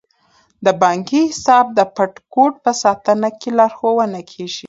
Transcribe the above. د بانکي حساب د پټ کوډ په ساتنه کې لارښوونه کیږي.